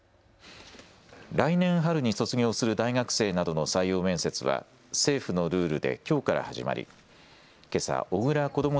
来年春に卒業する大学生などの採用面接は政府のルールできょうから始まりけさ小倉こども